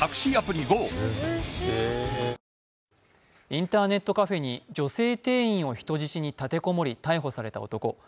インターネットカフェに女性店員を人質に立て籠もり逮捕された男。